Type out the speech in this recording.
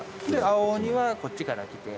青鬼はこっちから来て。